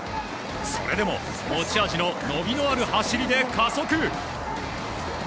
それでも、持ち味の伸びのある走りで加速。